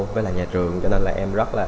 với nhà trường cho nên là em rất là vui